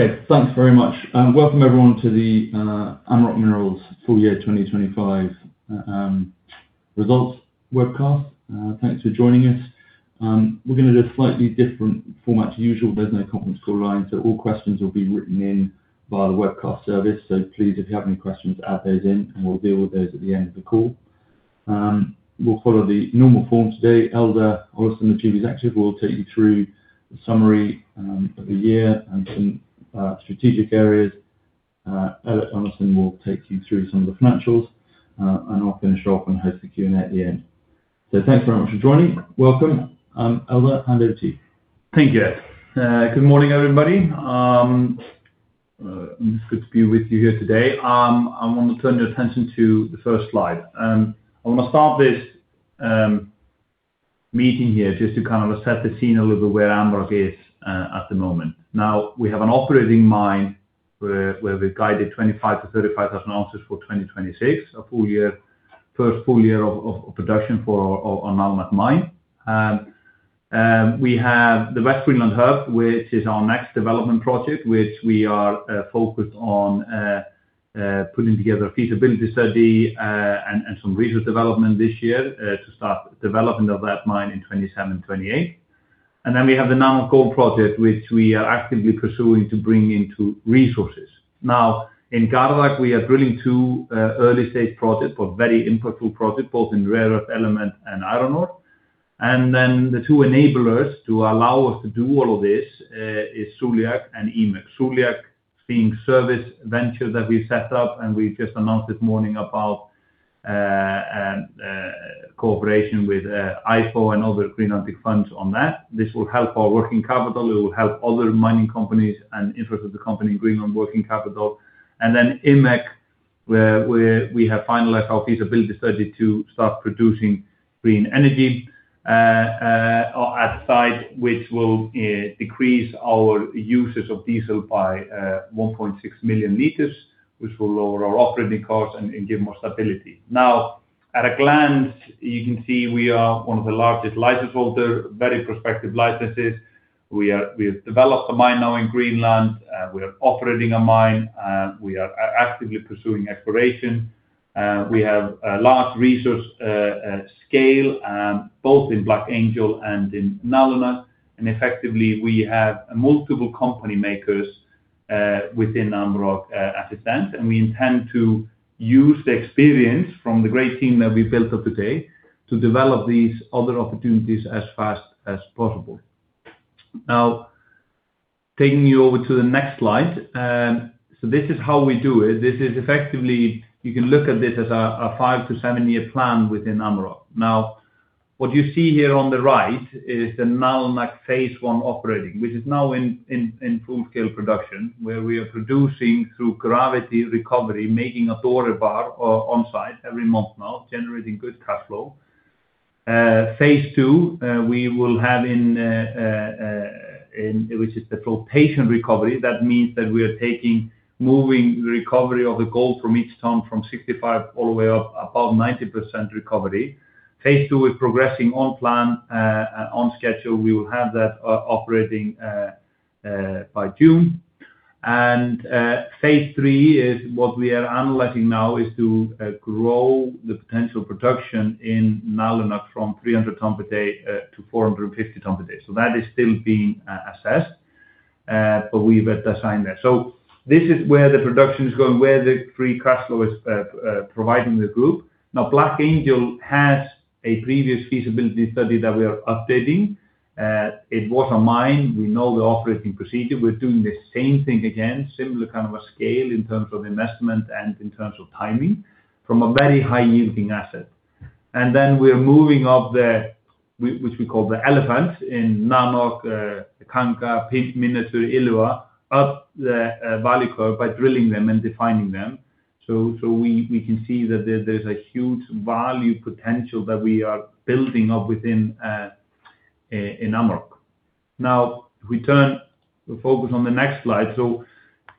Okay. Thanks very much. Welcome everyone to the Amaroq Minerals Full-Year 2025 Results Webcast. Thanks for joining us. We're gonna do a slightly different format to usual. There's no conference call line, so all questions will be written in via the webcast service. Please, if you have any questions, add those in, and we'll deal with those at the end of the call. We'll follow the normal form today. Eldur Ólafsson, the Chief Executive, will take you through the summary of the year and some strategic areas. Ellert Arnarson will take you through some of the financials, and I'll finish off and host the Q&A at the end. Thanks very much for joining. Welcome. Eldur, hand over to you. Thank you. Good morning, everybody. It's good to be with you here today. I want to turn your attention to the first slide. I wanna start this meeting here just to kind of set the scene a little bit where Amaroq is at the moment. Now, we have an operating mine where we've guided 25-35,000 ounces for 2026, a full year, first full year of production for our Nalunaq mine. We have the West Greenland Hub, which is our next development project, which we are focused on putting together a feasibility study and some resource development this year to start development of that mine in 2027 and 2028. Then we have the Nanoq gold project, which we are actively pursuing to bring into resources. Now, in Gardaq, we are drilling two early-stage projects, but very impactful projects both in rare earth elements and iron ore. The two enablers to allow us to do all of this is Suliaq and IMEC. Suliaq being service venture that we set up, and we just announced this morning about cooperation with IFU and other Greenlandic funds on that. This will help our working capital. It will help other mining companies and interested company in Greenland working capital. IMEC, where we have finalized our feasibility study to start producing green energy at site which will decrease our usage of diesel by 1.6 million liters, which will lower our operating costs and give more stability. Now, at a glance, you can see we are one of the largest license holder, very prospective licenses. We have developed a mine now in Greenland, we are operating a mine, we are actively pursuing exploration. We have a large resource, scale, both in Black Angel and in Nalunaq. Effectively, we have multiple company makers within Amaroq at the time, and we intend to use the experience from the great team that we've built up to date to develop these other opportunities as fast as possible. Now, taking you over to the next slide. So this is how we do it. This is effectively, you can look at this as a 5-7-year plan within Amaroq. Now, what you see here on the right is the Nalunaq phase I operating, which is now in full scale production, where we are producing through gravity recovery, making a doré bar on site every month now, generating good cash flow. Phase two, we will have in, which is the full plant recovery. That means that we are taking the recovery of the gold from each ton from 65 all the way up above 90% recovery. Phase II is progressing on plan, on schedule. We will have that operating by June. Phase III is what we are analyzing now is to grow the potential production in Nalunaq from 300 tons per day to 450 tons per day. That is still being assessed, but we've assigned that. This is where the production is going, where the free cash flow is providing the group. Now, Black Angel has a previous feasibility study that we are updating. It was a mine. We know the operating procedure. We're doing the same thing again, similar kind of a scale in terms of investment and in terms of timing from a very high-yielding asset. Then we're moving up the, which we call the elephant in Nanoq, the Kangerluarsuk, Pit Minertil, Ilua, up the value curve by drilling them and defining them. We can see that there's a huge value potential that we are building up within in Amaroq. Now, if we turn the focus on the next slide.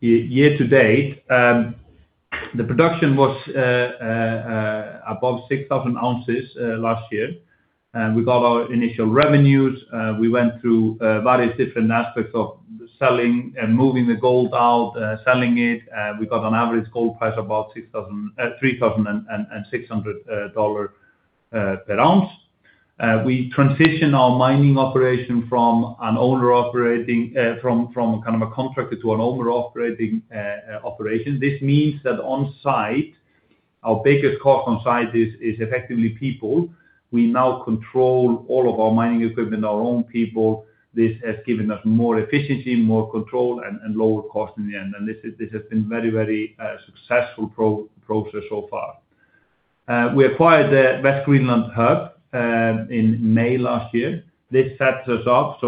Year-to-date, the production was above 6,000 ounces last year. We got our initial revenues. We went through various different aspects of selling and moving the gold out, selling it. We got an average gold price about $3,600 per ounce. We transitioned our mining operation from kind of a contractor to an owner operating operation. This means that on site, our biggest cost on site is effectively people. We now control all of our mining equipment, our own people. This has given us more efficiency, more control, and lower cost in the end. This has been very successful process so far. We acquired the West Greenland Hub in May last year. This sets us up,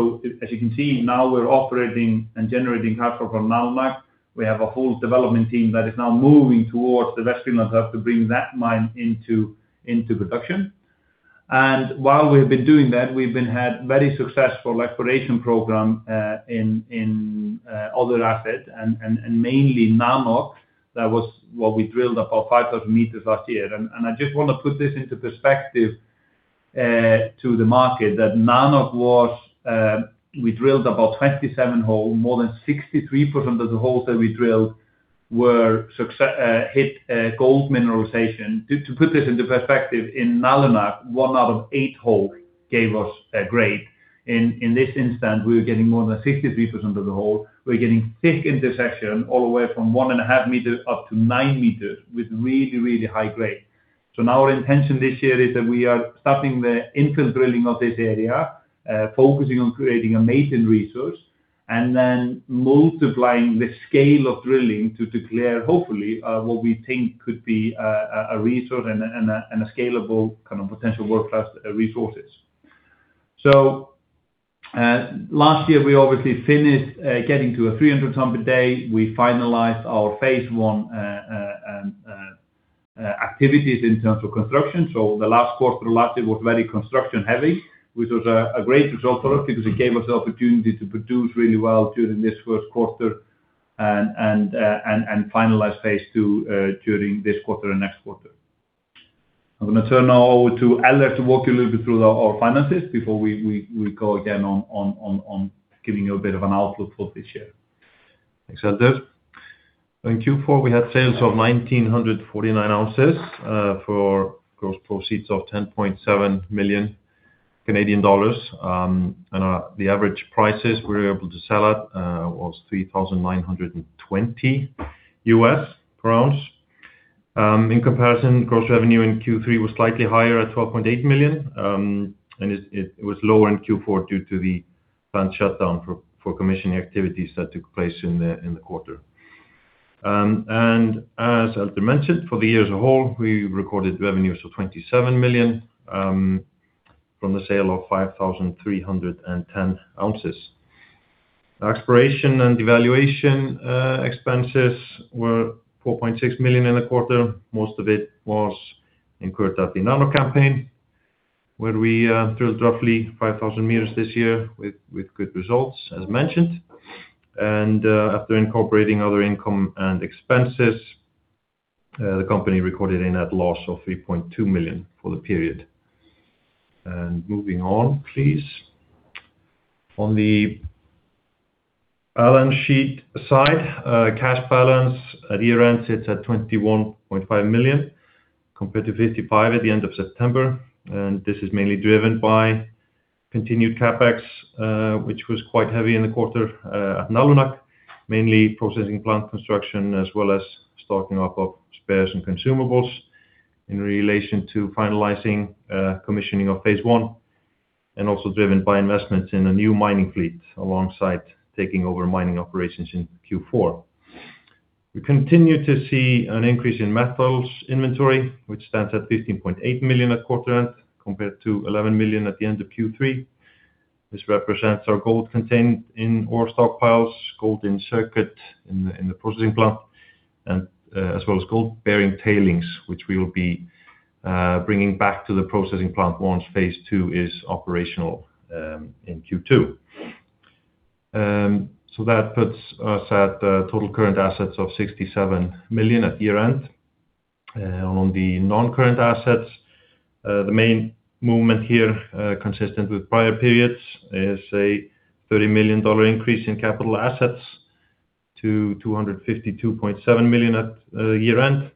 as you can see, now we're operating and generating cash flow from Nalunaq. We have a whole development team that is now moving towards the West Greenland Hub to bring that mine into production. While we've been doing that, we've had a very successful exploration program in other assets and mainly Nanoq. That was what we drilled about 5,000 meters last year. I just wanna put this into perspective to the market that Nanoq was, we drilled about 27 holes, more than 63% of the holes that we drilled hit gold mineralization. To put this into perspective, in Nalunaq, one out of eight holes gave us a grade. In this instance, we were getting more than 63% of the hole. We're getting thick intersection all the way from 1.5 meters up to 9 meters with really, really high grade. Now our intention this year is that we are starting the infill drilling of this area, focusing on creating a maiden resource, and then multiplying the scale of drilling to declare hopefully what we think could be a resource and a scalable kind of potential world-class resources. Last year, we obviously finished getting to a 300 ton per day. We finalized our phase one activities in terms of construction. The last quarter last year was very construction heavy, which was a great result for us because it gave us the opportunity to produce really well during this first quarter and finalize phase II during this quarter and next quarter. I'm gonna turn now over to Ellert to walk you a little bit through our finances before we go again on giving you a bit of an outlook for this year. Thanks, Eldur. In Q4, we had sales of 1,949 ounces for gross proceeds of 10.7 million Canadian dollars. The average prices we were able to sell at was $3,920 per ounce. In comparison, gross revenue in Q3 was slightly higher at 12.8 million, and it was lower in Q4 due to the plant shutdown for commissioning activities that took place in the quarter. As Eldur mentioned, for the year as a whole, we recorded revenues of 27 million from the sale of 5,310 ounces. Exploration and evaluation expenses were 4.6 million in the quarter. Most of it was incurred at the Nanoq campaign, where we drilled roughly 5,000 meters this year with good results, as mentioned. After incorporating other income and expenses, the company recorded a net loss of 3.2 million for the period. Moving on, please. On the balance sheet side, cash balance at year-end sits at 21.5 million, compared to 55 million at the end of September. This is mainly driven by continued CapEx, which was quite heavy in the quarter, at Nalunaq, mainly processing plant construction, as well as stocking up of spares and consumables in relation to finalizing, commissioning of phase one, and also driven by investments in a new mining fleet alongside taking over mining operations in Q4. We continue to see an increase in metals inventory, which stands at 15.8 million at quarter end, compared to 11 million at the end of Q3. This represents our gold contained in ore stockpiles, gold in circuit in the processing plant, and as well as gold-bearing tailings, which we will be bringing back to the processing plant once phase two is operational in Q2. So that puts us at total current assets of 67 million at year-end. On the non-current assets, the main movement here consistent with prior periods is a 30 million dollar increase in capital assets to 252.7 million at year-end.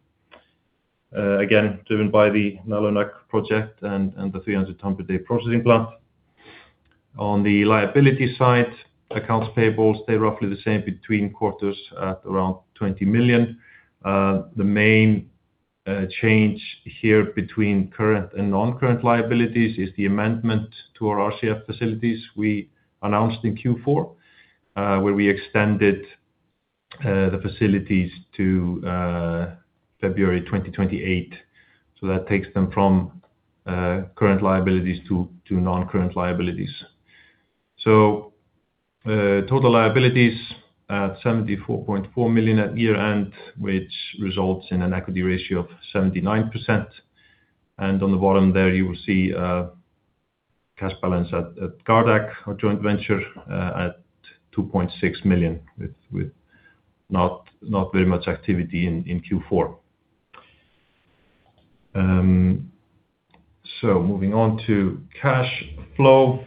Again, driven by the Nalunaq project and the 300 ton per day processing plant. On the liability side, accounts payables, they're roughly the same between quarters at around 20 million. The main change here between current and non-current liabilities is the amendment to our RCF facilities we announced in Q4, where we extended the facilities to February 2028. That takes them from current liabilities to non-current liabilities. Total liabilities at 74.4 million at year-end, which results in an equity ratio of 79%. On the bottom there, you will see cash balance at Gardaq, our joint venture, at 2.6 million with not very much activity in Q4. Moving on to cash flow.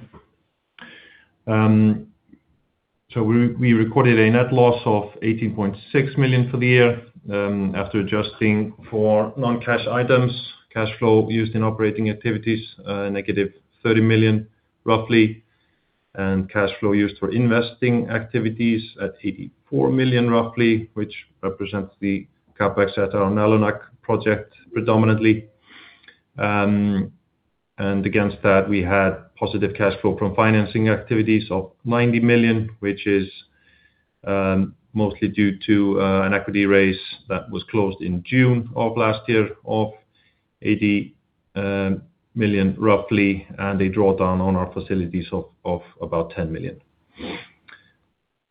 We recorded a net loss of 18.6 million for the year. After adjusting for non-cash items, cash flow used in operating activities, negative 30 million, roughly, and cash flow used for investing activities at 84 million roughly, which represents the CapEx at our Nalunaq project predominantly. Against that, we had positive cash flow from financing activities of 90 million, which is mostly due to an equity raise that was closed in June of last year of 80 million roughly, and a drawdown on our facilities of about 10 million.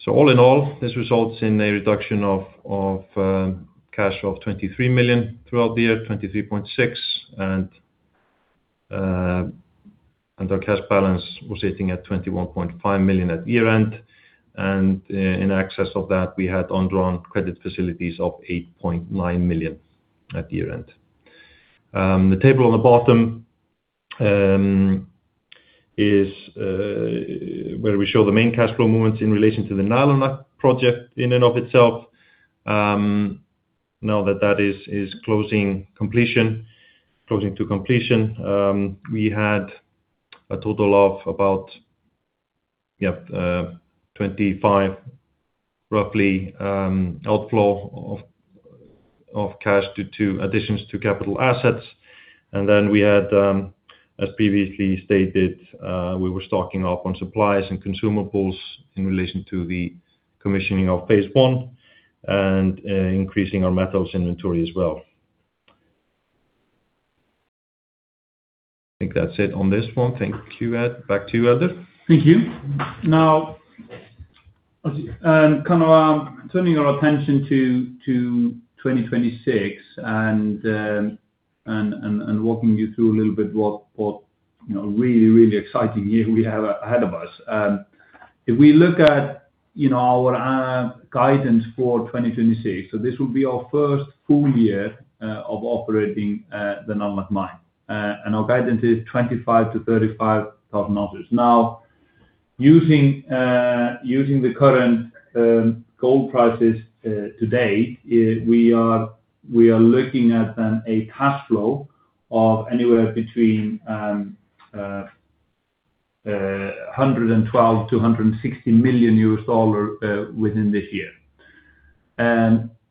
All in all, this results in a reduction of cash of 23 million throughout the year, 23.6. Our cash balance was sitting at 21.5 million at year-end, and in excess of that, we had undrawn credit facilities of 8.9 million at year-end. The table on the bottom is where we show the main cash flow movements in relation to the Nalunaq project in and of itself. Now that that is closing to completion, we had a total of about 25, roughly, outflow of cash due to additions to capital assets. Then we had, as previously stated, we were stocking up on supplies and consumables in relation to the commissioning of phase I and increasing our metals inventory as well. I think that's it on this one. Thank you. Back to you, Eldur. Thank you. Now, kind of turning our attention to 2026 and walking you through a little bit what you know really exciting year we have ahead of us. If we look at you know our guidance for 2026, so this will be our first full year of operating the Nalunaq mine. Our guidance is 25,000-35,000 ounces. Now, using the current gold prices today, we are looking at a cash flow of anywhere between $112 million-$160 million within this year.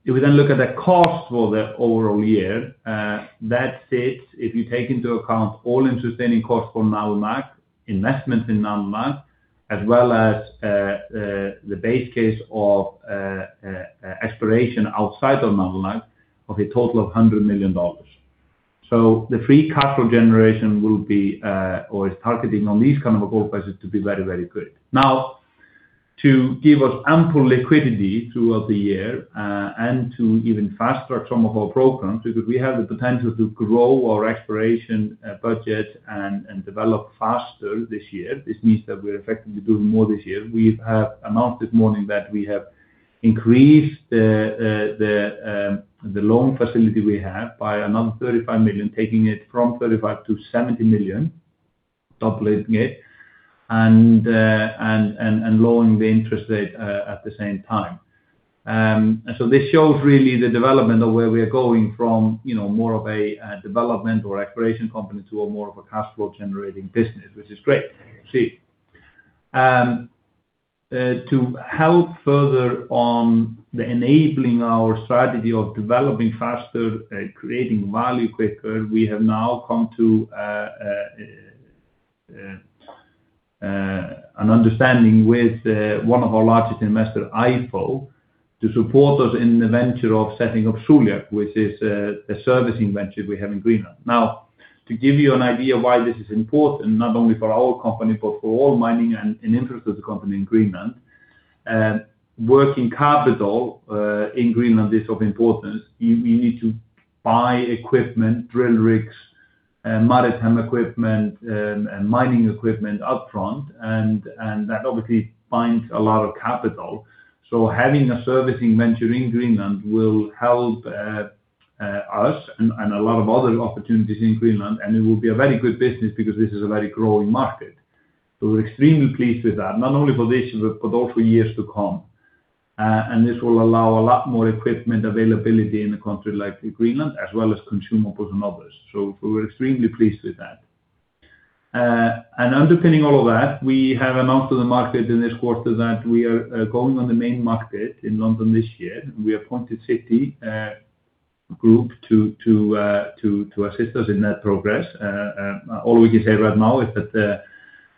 If we then look at the cost for the overall year, that sits, if you take into account all in sustaining cost for Nalunaq, investments in Nalunaq, as well as the base case of exploration outside of Nalunaq, of a total of 100 million dollars. The free cash flow generation will be or is targeting on these kind of gold prices to be very, very good. Now, to give us ample liquidity throughout the year, and to even fast-track some of our programs, because we have the potential to grow our exploration budget and develop faster this year, this means that we're effectively doing more this year. We have announced this morning that we have increased the loan facility we have by another 35 million, taking it from 35 million to 70 million, doubling it and lowering the interest rate at the same time. This shows really the development of where we are going from, you know, more of a development or exploration company to more of a cash flow generating business, which is great. To help further on the enabling our strategy of developing faster, creating value quicker, we have now come to an understanding with one of our largest investor, IFU, to support us in the venture of setting up Suliaq, which is a servicing venture we have in Greenland. Now, to give you an idea why this is important, not only for our company, but for all mining and interest of the company in Greenland, working capital in Greenland is of importance. You need to buy equipment, drill rigs, maritime equipment, and mining equipment up front, and that obviously binds a lot of capital. Having a servicing venture in Greenland will help us and a lot of other opportunities in Greenland, and it will be a very good business because this is a very growing market. We're extremely pleased with that, not only for this year, but for those four years to come. This will allow a lot more equipment availability in a country like Greenland, as well as consumables and others. We're extremely pleased with that. Underpinning all of that, we have announced to the market in this quarter that we are going on the main market in London this year. We appointed Citigroup to assist us in that process. All we can say right now is that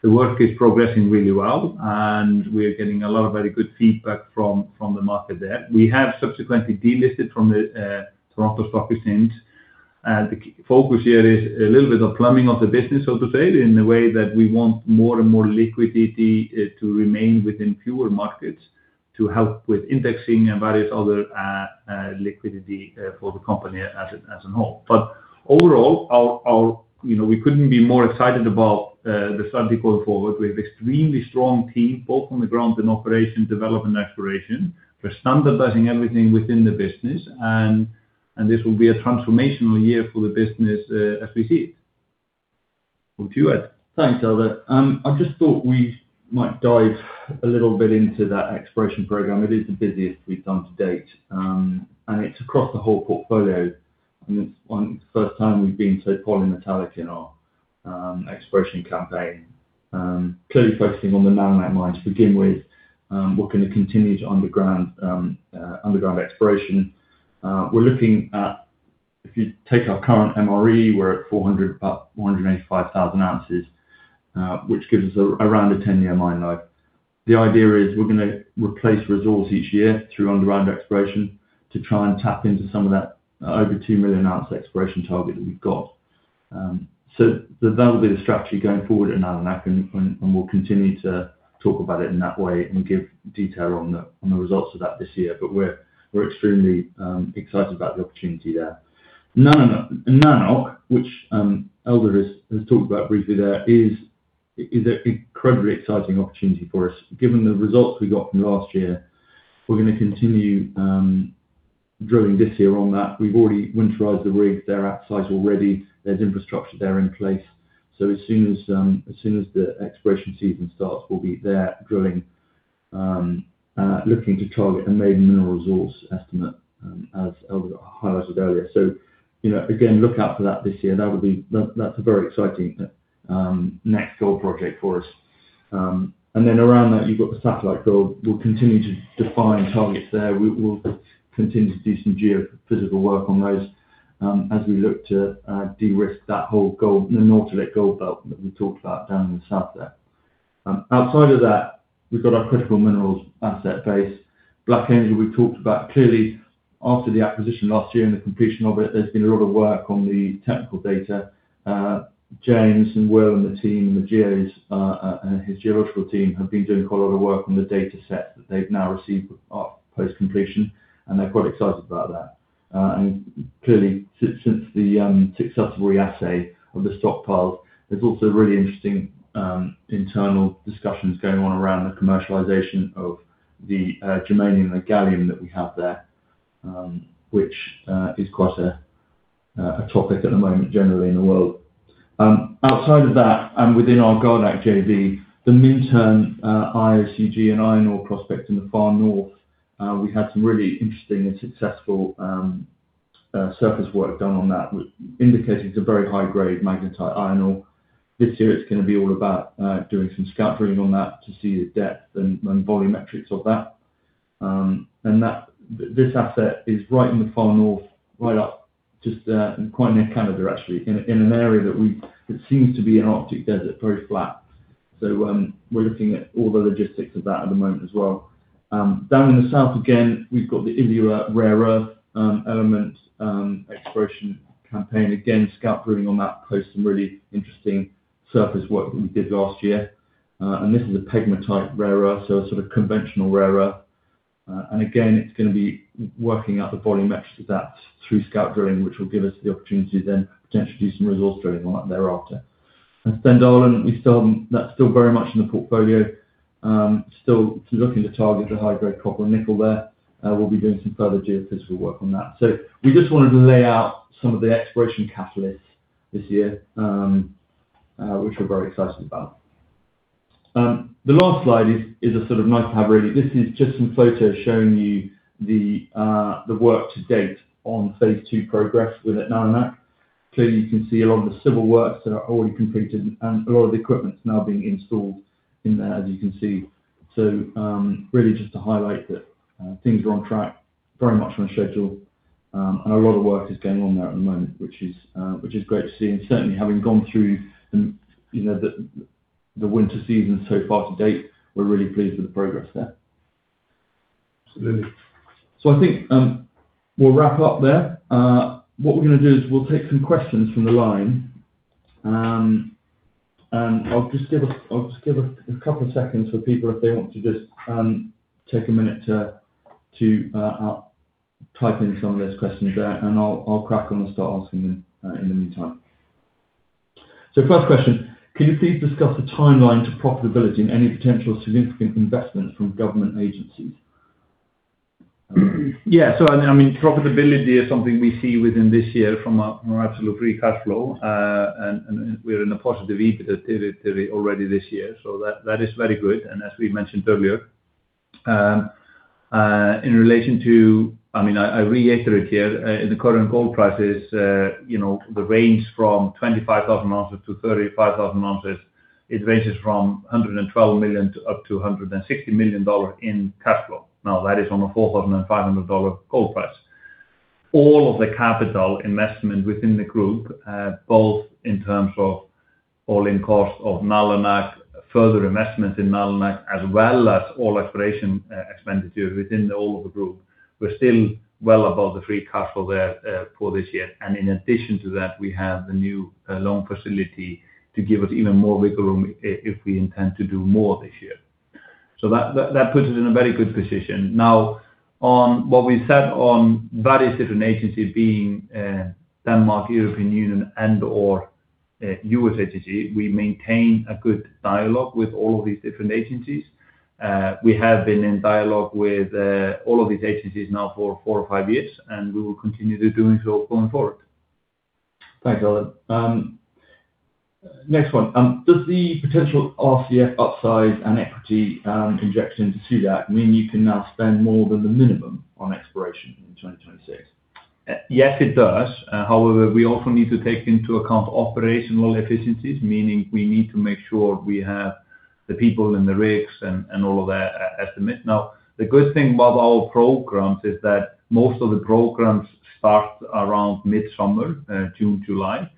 the work is progressing really well, and we're getting a lot of very good feedback from the market there. We have subsequently delisted from the Toronto Stock Exchange. The key focus here is a little bit of plumbing of the business, so to say, in the way that we want more and more liquidity to remain within fewer markets to help with indexing and various other liquidity for the company as a whole. Overall, our... You know, we couldn't be more excited about the strategy going forward. We have extremely strong team, both on the ground and operation, development and exploration. We're standardizing everything within the business and this will be a transformational year for the business, as we see it. On to you Ed. Thanks, Eldur. I just thought we might dive a little bit into that exploration program. It is the busiest we've done to date, and it's across the whole portfolio. It's the first time we've been so polymetallic in our exploration campaign. Clearly focusing on the Nalunaq mine to begin with. We're gonna continue underground exploration. We're looking at, if you take our current MRE, we're at about 485,000 ounces, which gives us around a 10-year mine life. The idea is we're gonna replace resource each year through underground exploration to try and tap into some of that over 2 million ounce exploration target that we've got. That will be the strategy going forward at Nalunaq and we'll continue to talk about it in that way and give detail on the results of that this year. We're extremely excited about the opportunity there. Nanoq, which Eldur has talked about briefly there, is an incredibly exciting opportunity for us. Given the results we got from last year, we're gonna continue drilling this year on that. We've already winterized the rig. They're outside already. There's infrastructure there in place. As soon as the exploration season starts, we'll be there drilling, looking to target a maiden mineral resource estimate, as I highlighted earlier. You know, again, look out for that this year. That's a very exciting next gold project for us. And then around that, you've got the satellite gold. We'll continue to define targets there. We'll continue to do some geophysical work on those, as we look to de-risk that whole gold, the Nanortalik Gold Belt that we talked about down in the south there. Outside of that, we've got our critical minerals asset base. Black Angel, we talked about. Clearly, after the acquisition last year and the completion of it, there's been a lot of work on the technical data. James and Will and the team, the geos, and his geological team have been doing quite a lot of work on the data set that they've now received post-completion, and they're quite excited about that. Clearly, since the successful reassay of the stockpiles, there's also really interesting internal discussions going on around the commercialization of the germanium and the gallium that we have there, which is quite a topic at the moment generally in the world. Outside of that and within our Gardaq JV, the Minturn IOCG and iron ore prospect in the far north, we had some really interesting and successful surface work done on that, which indicated it's a very high-grade magnetite iron ore. This year it's gonna be all about doing some scout drilling on that to see the depth and volumetrics of that. This asset is right in the far north, right up just quite near Canada actually, in an area that it seems to be an Arctic desert, very flat. We're looking at all the logistics of that at the moment as well. Down in the south again, we've got the Ilula rare earth element exploration campaign. Again, scout drilling on that after some really interesting surface work that we did last year. This is a pegmatite rare earth, so a sort of conventional rare earth. It's gonna be working out the volumetrics of that through scout drilling, which will give us the opportunity then to potentially do some resource drilling on that thereafter. Stendalen, we still, that's still very much in the portfolio, still looking to target a high-grade copper nickel there. We'll be doing some further geophysical work on that. We just wanted to lay out some of the exploration catalysts this year, which we're very excited about. The last slide is a sort of nice to have really. This is just some photos showing you the work to date on phase two progress with Nalunaq. Clearly, you can see a lot of the civil works that are already completed and a lot of the equipment's now being installed in there, as you can see. Really just to highlight that, things are on track, very much on schedule, and a lot of work is going on there at the moment, which is great to see. Certainly having gone through the you know, the winter season so far to date, we're really pleased with the progress there. Absolutely. I think we'll wrap up there. What we're gonna do is we'll take some questions from the line. I'll just give a couple of seconds for people if they want to just take a minute to type in some of those questions there, and I'll crack on and start asking them in the meantime. First question, can you please discuss the timeline to profitability and any potential significant investments from government agencies? Yeah. I mean, profitability is something we see within this year from our absolute free cash flow. And we're in a positive EBITDA territory already this year. That is very good. As we mentioned earlier, in relation to I mean, I reiterate here, in the current gold prices, you know, the range from 25,000 ounces to 35,000 ounces, it ranges from $112 million-$160 million in cash flow. Now, that is on a $4,500 gold price. All of the capital investment within the group, both in terms of all-in cost of Nalunaq, further investment in Nalunaq, as well as all exploration expenditure within all of the group, we're still well above the free cash flow there, for this year. In addition to that, we have the new loan facility to give us even more wiggle room if we intend to do more this year. That puts us in a very good position. Now, on what we said on various different agencies being Denmark, European Union, and/or U.S. agency, we maintain a good dialogue with all of these different agencies. We have been in dialogue with all of these agencies now for four or five years, and we will continue to doing so going forward. Thanks, Eldur. Next one. Does the potential RCF upsize and equity injection to that mean you can now spend more than the minimum on exploration in 2026? Yes, it does. However, we also need to take into account operational efficiencies, meaning we need to make sure we have the people in the rigs and all of that as of mid. Now, the good thing about our programs is that most of the programs start around mid-summer, June, July,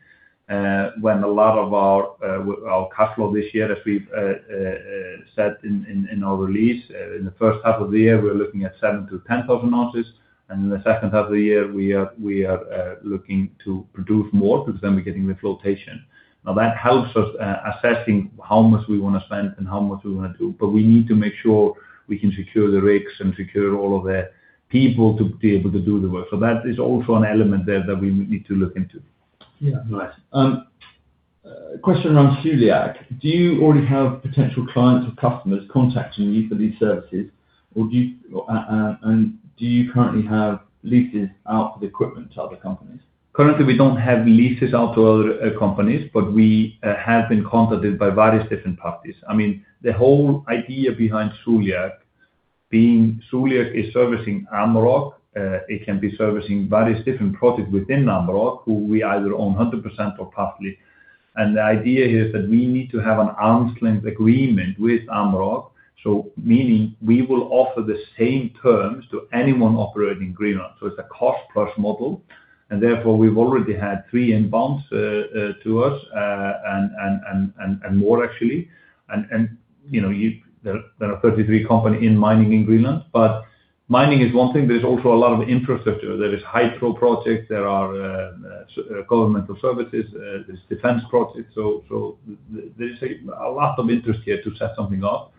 when a lot of our cash flow this year, as we've said in our release, in the first half of the year, we're looking at 7,000-10,000 ounces. In the second half of the year, we are looking to produce more because then we're getting the flotation. Now, that helps us assessing how much we wanna spend and how much we wanna do. We need to make sure we can secure the rigs and secure all of the people to be able to do the work. That is also an element there that we need to look into. Yeah. Right. A question around Suliaq. Do you already have potential clients or customers contacting you for these services, and do you currently have leases out for the equipment to other companies? Currently, we don't have leases out to other companies, but we have been contacted by various different parties. I mean, the whole idea behind Suliaq being Suliaq is servicing Amaroq. It can be servicing various different projects within Amaroq, which we either own 100% or partly. The idea is that we need to have an arm's length agreement with Amaroq, meaning we will offer the same terms to anyone operating in Greenland. It's a cost plus model, and therefore, we've already had three inbounds to us, and more actually, and you know, there are 33 companies in mining in Greenland. Mining is one thing. There's also a lot of infrastructure. There is hydro projects. There are governmental services. There's defense projects. There's a lot of interest here to set something up.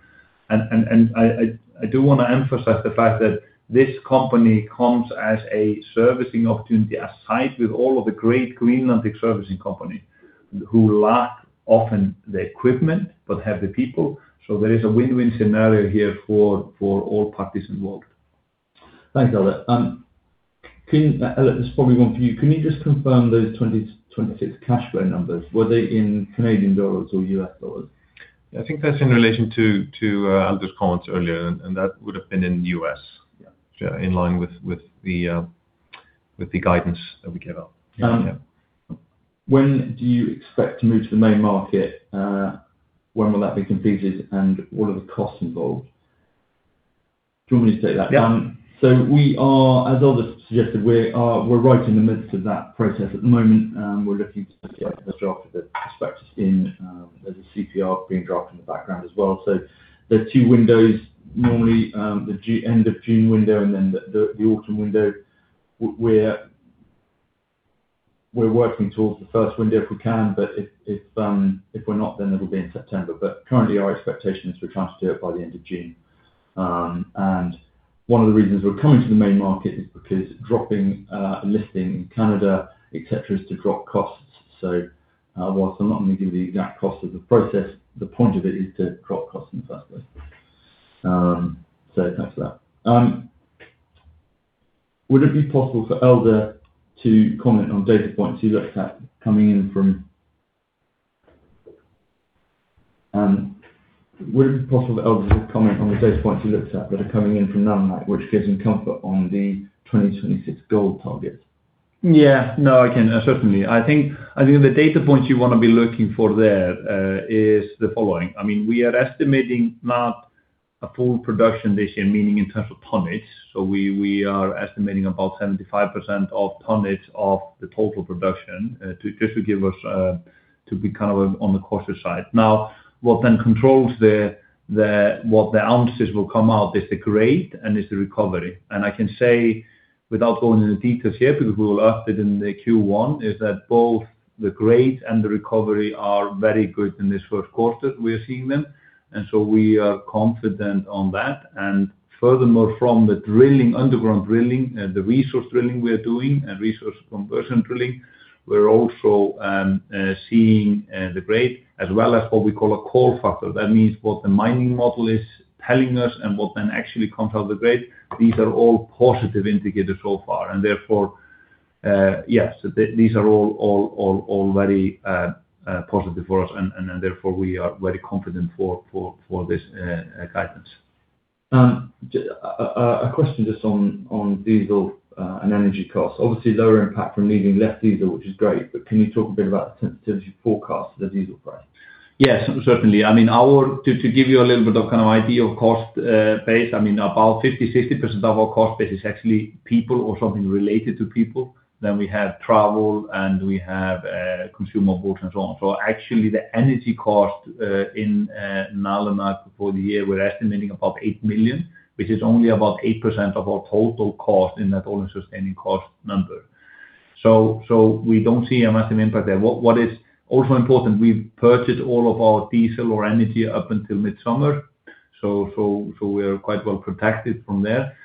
I do wanna emphasize the fact that this company comes as a servicing opportunity alongside all of the great Greenlandic servicing companies who lack often the equipment, but have the people. There is a win-win scenario here for all parties involved. Thanks, Eldur. Ellert, this is probably one for you. Can you just confirm those 2026 cash flow numbers? Were they in Canadian dollars or US dollars? I think that's in relation to Eldur's comments earlier, and that would have been in U.S. dollars. Yeah. In line with the guidance that we gave out. Um- Yeah. When do you expect to move to the main market? When will that be completed, and what are the costs involved? Do you want me to take that? Yeah. As Eldur suggested, we're right in the midst of that process at the moment. We're looking to get the draft of the prospectus in. There's a CPR being drafted in the background as well. There are two windows. Normally, the end of June window and then the autumn window. We're working towards the first window if we can. But if we're not, then it'll be in September. But currently our expectation is we're trying to do it by the end of June. One of the reasons we're coming to the main market is because dropping listing in Canada, et cetera, is to drop costs. While I'm not gonna give you the exact cost of the process, the point of it is to drop costs in the first place. That's that. Would it be possible for Eldur to comment on the data points he looked at that are coming in from Nalunaq, which gives him comfort on the 2026 gold targets? Yeah. No, I can certainly. I think the data points you wanna be looking for there is the following. I mean, we are estimating not a full production this year, meaning in terms of tonnage. We are estimating about 75% of tonnage of the total production, just to give us, to be kind of on the cautious side. Now, what then controls what the ounces will come out is the grade and the recovery. I can say without going into the details here, because we will update in the Q1, that both the grade and the recovery are very good in this first quarter we're seeing them. We are confident on that. Furthermore, from the drilling, underground drilling, the resource drilling we're doing and resource conversion drilling, we're also seeing the grade as well as what we call a core factor. That means what the mining model is telling us and what then actually comes out of the grade. These are all positive indicators so far, and therefore, yes, these are all very positive for us. Therefore we are very confident for this guidance. A question just on diesel and energy costs. Obviously lower impact from needing less diesel, which is great, but can you talk a bit about the sensitivity forecast for the diesel price? Yes, certainly. I mean, to give you a little bit of kind of idea of cost base, I mean, about 50%-60% of our cost base is actually people or something related to people. Then we have travel, and we have consumables and so on. Actually the energy cost in Nalunaq for the year, we're estimating about 8 million, which is only about 8% of our total cost in that all-in sustaining cost number. We don't see a massive impact there. What is also important, we've purchased all of our diesel or energy up until mid-summer, so we are quite well protected from there.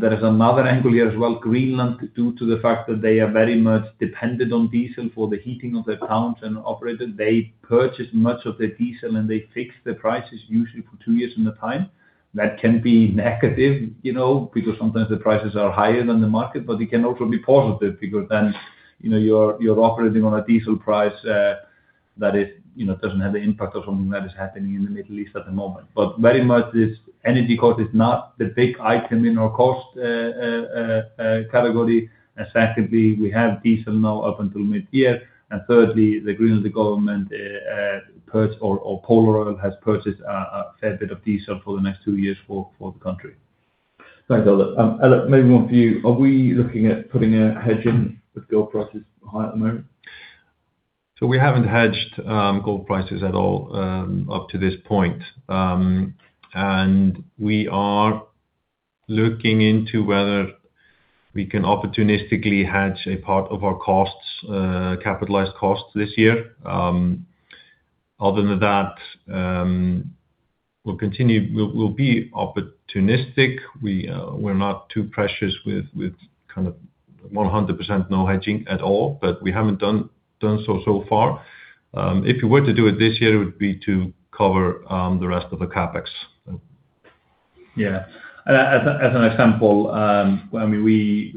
There is another angle here as well. Greenland, due to the fact that they are very much dependent on diesel for the heating of their towns and operations, they purchase much of the diesel, and they fix the prices usually for two years at a time. That can be negative, you know, because sometimes the prices are higher than the market, but it can also be positive because then, you know, you're operating on a diesel price that is, you know, doesn't have the impact of something that is happening in the Middle East at the moment. But very much this energy cost is not the big item in our cost category. Secondly, we have diesel now up until mid-year. Thirdly, the Greenlandic government purchased or Polaroil has purchased a fair bit of diesel for the next two years for the country. Thanks, Eldur. Ellert, maybe one for you. Are we looking at putting a hedge in with gold prices high at the moment? We haven't hedged gold prices at all up to this point. We are looking into whether we can opportunistically hedge a part of our costs, capitalized costs this year. Other than that. We'll be opportunistic. We're not too precious with kind of 100% no hedging at all, but we haven't done so far. If you were to do it this year, it would be to cover the rest of the CapEx. Yeah. As an example, when we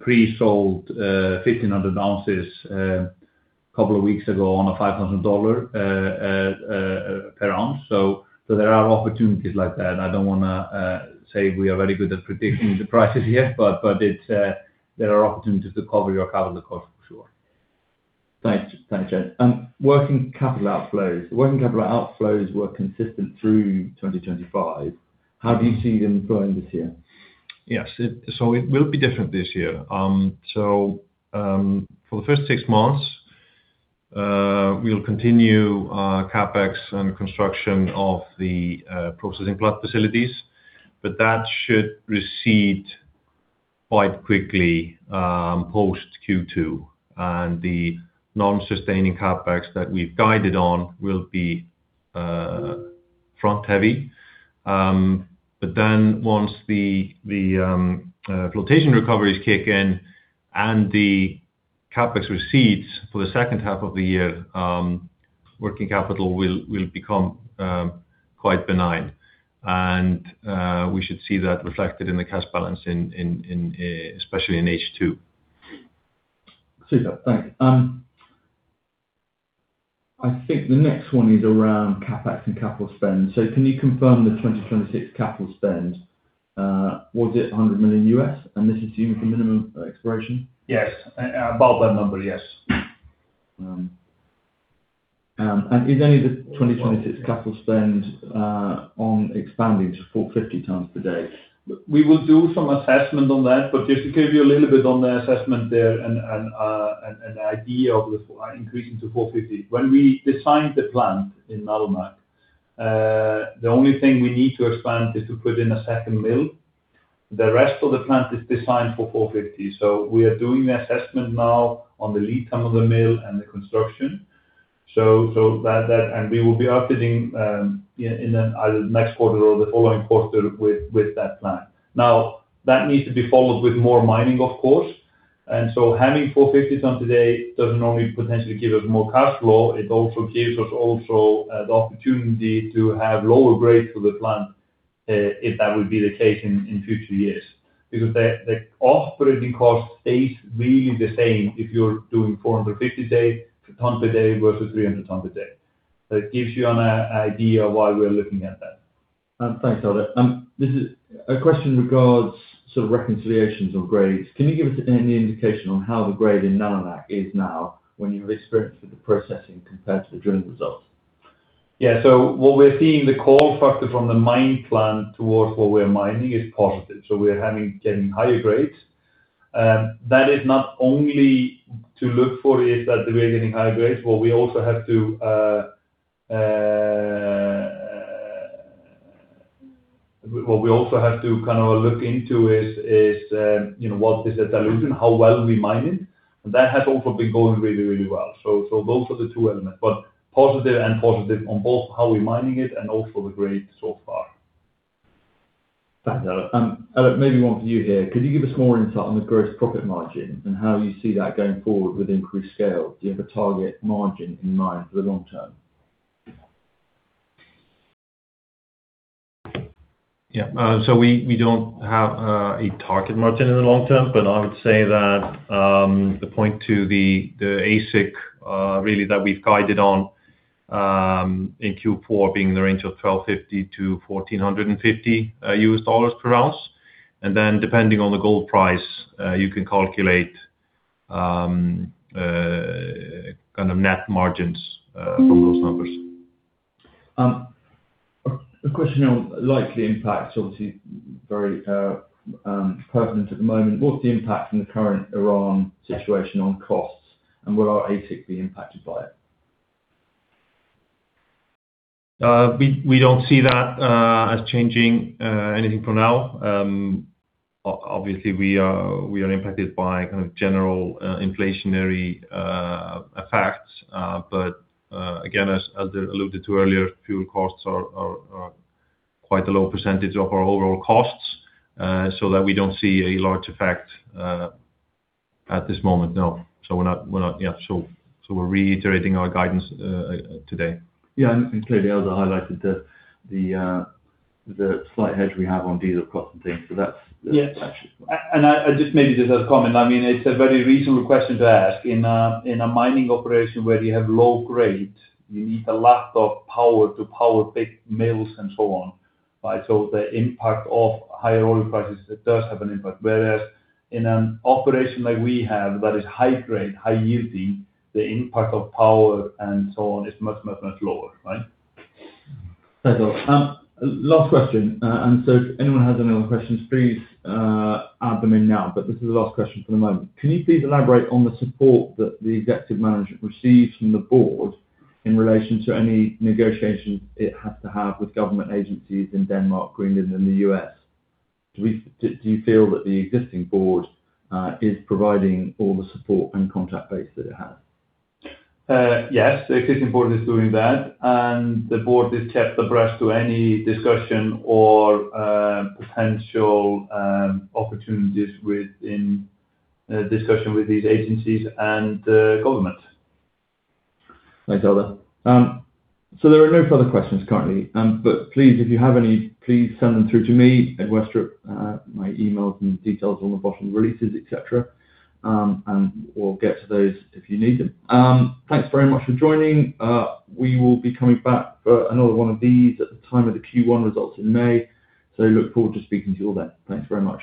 pre-sold 1,500 ounces a couple of weeks ago on a $500 per ounce. There are opportunities like that. I don't wanna say we are very good at predicting the prices yet, but there are opportunities to cover your capital cost, for sure. Thanks. Thanks Ellert. Working capital outflows. Working capital outflows were consistent through 2025. How do you see them growing this year? Yes. It will be different this year. For the first six months, we'll continue CapEx and construction of the processing plant facilities, but that should recede quite quickly post Q2. The non-sustaining CapEx that we've guided on will be front heavy. Once the flotation recoveries kick in and the CapEx recedes for the second half of the year, working capital will become quite benign. We should see that reflected in the cash balance, especially in H2. Super. Thank you. I think the next one is around CapEx and capital spend. Can you confirm the 2026 capital spend? Was it $100 million? And this is with the minimum exploration? Yes. About that number, yes. Is any of the 2026 capital spend on expanding to 450 tons per day? We will do some assessment on that. Just to give you a little bit on the assessment there and the idea of increasing to 450. When we designed the plant in Nalunaq, the only thing we need to expand is to put in a second mill. The rest of the plant is designed for 450. We are doing the assessment now on the lead time of the mill and the construction. That and we will be updating in the next quarter or the following quarter with that plan. Now, that needs to be followed with more mining, of course. Having 450 tons today doesn't only potentially give us more cash flow, it also gives us the opportunity to have lower grades for the plant, if that would be the case in future years. Because the operating cost stays really the same if you're doing 450 tons per day versus 300 tons per day. It gives you an idea of why we're looking at that. Thanks, Eldur. This is a question regarding sort of reconciliations or grades. Can you give us any indication on how the grade in Nalunaq is now when you've experienced the processing compared to the drilling results? Yeah. What we're seeing the core factor from the mine plan towards what we're mining is positive. We're getting higher grades. That is not only to look for is that we are getting higher grades, but we also have to kind of look into is, you know, what is the dilution, how well we mine it. That has also been going really well. Those are the two elements. Positive and positive on both how we're mining it and also the grades so far. Thanks, Eldur. Ellert, maybe one for you here. Could you give us more insight on the gross profit margin and how you see that going forward with increased scale? Do you have a target margin in mind for the long term? Yeah. We don't have a target margin in the long term, but I would say that the point to the AISC really that we've guided on in Q4 being in the range of $1,250-$1,450 per ounce. Then depending on the gold price, you can calculate kind of net margins from those numbers. A question on likely impact, obviously very pertinent at the moment. What's the impact from the current Iran situation on costs, and will our AISC be impacted by it? We don't see that as changing anything for now. Obviously, we are impacted by kind of general inflationary effects. But again, as alluded to earlier, fuel costs are quite a low percentage of our overall costs, so that we don't see a large effect at this moment, no. We're not, yeah. We're reiterating our guidance today. Yeah, and clearly, as I highlighted, the slight hedge we have on diesel costs and things. That's it. Yes. I just maybe just as a comment, I mean, it's a very reasonable question to ask. In a mining operation where you have low grade, you need a lot of power to power big mills and so on, right? The impact of higher oil prices does have an impact. Whereas in an operation like we have that is high grade, high yielding, the impact of power and so on is much lower, right? Thanks, Eldur. Last question. If anyone has any more questions, please, add them in now, but this is the last question for the moment. Can you please elaborate on the support that the executive management receives from the board in relation to any negotiations it has to have with government agencies in Denmark, Greenland, and the U.S.? Do you feel that the existing board is providing all the support and contract basis that it has? Yes, the existing board is doing that, and the board is kept abreast to any discussion or potential opportunities within discussion with these agencies and government. Thanks, Eldur. There are no further questions currently, but please, if you have any, please send them through to me, Ed Westropp. My email and details on the bottom releases, et cetera, and we'll get to those if you need them. Thanks very much for joining. We will be coming back for another one of these at the time of the Q1 results in May. Look forward to speaking to you all then. Thanks very much.